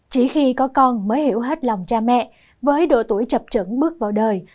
chỉ khi có con mới hiểu hết lòng cha mẹ với độ tuổi chập trứng bước vào đời